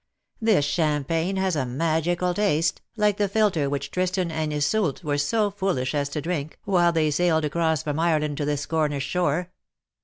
This champagne has a magical taste^ like the philter which Tristan and Iseult were so foolish as to drink while they sailed across from Ireland to this Cornish shore.